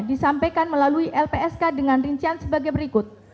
disampaikan melalui lpsk dengan rincian sebagai berikut